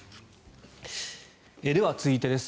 では、続いてです。